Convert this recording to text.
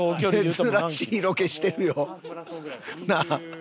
珍しいロケしてるよ。なあ？